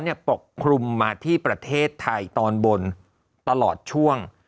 เนื่องจากความร้อนปกคลุมมาที่ประเทศไทยตอนบนตลอดช่วง